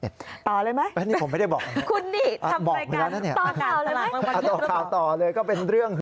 ต่อเลยมั้ยคุณนี่ทำรายการต่อข่าวเลยมั้ยต่อข่าวต่อเลย